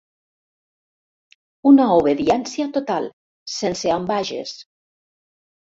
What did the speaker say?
Una obediència total, sense ambages.